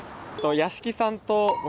屋敷さんと。